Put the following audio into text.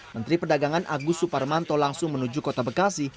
menteri perdagangan agus suparmanto langsung menuju kota bekasi